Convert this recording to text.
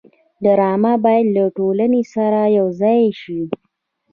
ډرامه باید له ټولنې سره یوځای شي